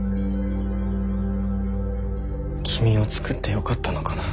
君を作ってよかったのかな。